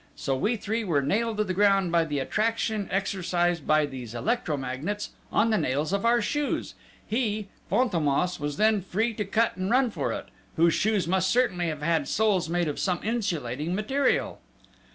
so we three were nailed to the ground by the attraction exercised by these electro magnets on the nails of our shoes he, Fantômas, was then free to cut and run for it, whose shoes must certainly have had soles made of some insulating material...."